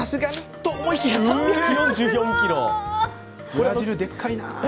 ブラジルでっかいな。